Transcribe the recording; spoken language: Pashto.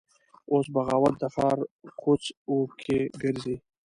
اوس بغاوت د ښار کوڅ وکې ګرځي